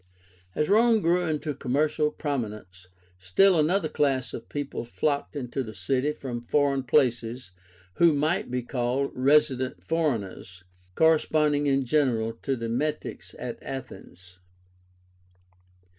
As Rome grew into commercial prominence, still another class of people flocked into the city from foreign places, who might be called resident foreigners, corresponding in general to the Metics at Athens.